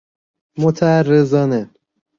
متعرضانه